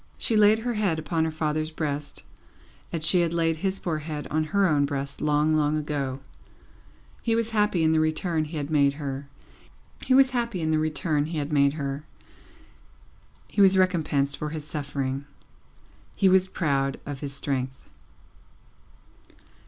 She laid her head upon her father's breast, as she had laid his poor head on her own breast, long, long ago. He was happy in the return he had made her, he was recompensed for his suffering, he was proud of his strength.